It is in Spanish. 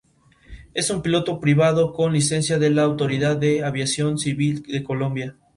Es un piloto privado con licencia de la Autoridad de Aviación Civil de Colombia.